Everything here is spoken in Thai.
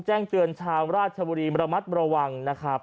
แจ้งเตือนชาวราชบุรีระมัดระวังนะครับ